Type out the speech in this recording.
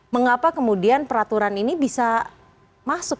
mengapa kemudian peraturan ini bisa masuk